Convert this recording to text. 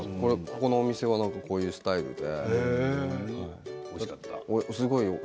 ここの店はこういうスタイルで。